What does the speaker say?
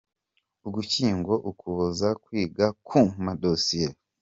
Ugushyingo – Ukuboza : Kwiga ku madosiye;.